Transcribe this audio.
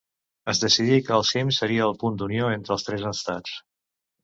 Es decidí que el cim seria el punt d'unió entre els tres estats.